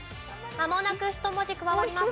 まもなく１文字加わります。